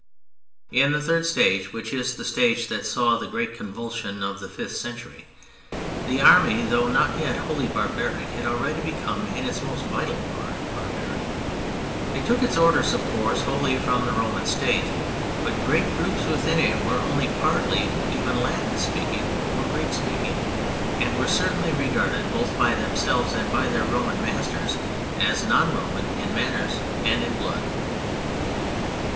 In the third stage, which is the stage that saw the great convulsion of the fifth century, the army though not yet wholly barbaric, had already become in its most vital part, barbaric. It took its orders, of course, wholly from the Roman State, but great groups within it were only partly even Latin speaking or Greek speaking, and were certainly regarded both by themselves and by their Roman masters as non Roman in manners and in blood.